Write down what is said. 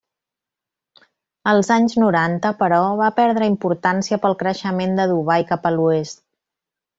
Als anys noranta, però, va perdre importància pel creixement de Dubai cap a l'oest.